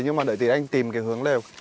nhưng mà đợi tí anh tìm cái hướng lều